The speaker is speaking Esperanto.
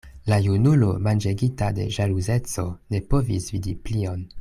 La junulo manĝegita de ĵaluzeco ne povis vidi plion.